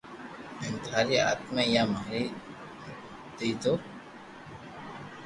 ھين ٿاري آتماني ڀآ ماري دآيو